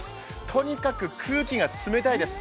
とにかく空気が冷たいです。